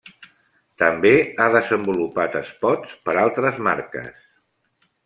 També ha desenvolupat espots per altres marques.